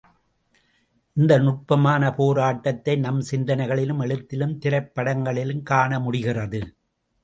இந்த நுட்பமான போராட்டத்தை நம் சிந்தனைகளிலும் எழுத்திலும் திரைப்படங்களிலும் காணமுடிகிறது.